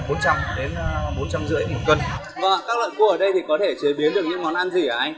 các loại cua ở đây thì có thể chế biến được những món ăn gì hả anh